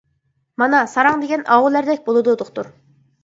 ! مانا ساراڭ دېگەن ئاۋۇلاردەك بولىدۇ، دوختۇر!